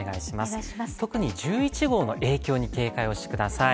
特に１１号の影響に警戒をしてください。